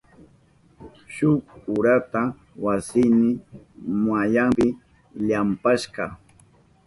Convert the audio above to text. Shuk urata wasiyni mayanpi ilampashka.